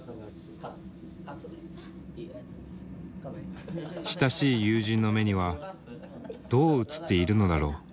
親しい友人の目にはどう映っているのだろう？